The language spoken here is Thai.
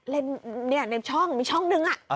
เล่นเนี่ยในช่องมีช่องนึงอ่ะ